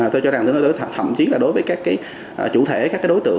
tôi cho rằng tư tố đầy đủ thậm chí là đối với các cái chủ thể các cái đối tượng